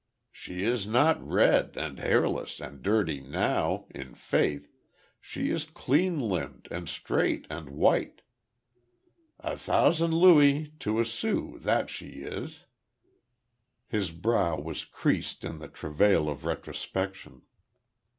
She is not red, and hairless, and dirty now, in faith! She is clean limbed, and straight, and white. A thousand louis to a sou, that she is!" ... His brow was creased in the travail or retrospection.